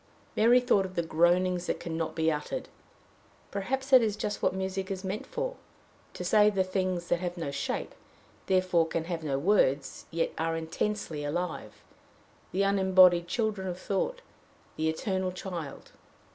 Mary thought of the "groanings that can not be uttered." Perhaps that is just what music is meant for to say the things that have no shape, therefore can have no words, yet are intensely alive the unembodied children of thought, the eternal child.